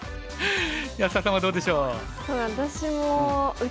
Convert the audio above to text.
安田さんはどうでしょう？